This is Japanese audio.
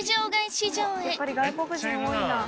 やっぱり外国人多いな。